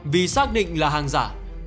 vì xác định là hàng giả